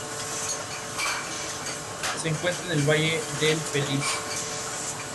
Esta rivalidad originó la guerra civil.